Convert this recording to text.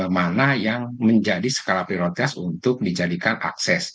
mana yang menjadi skala prioritas untuk dijadikan akses